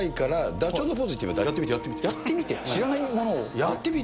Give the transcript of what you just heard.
やってみて。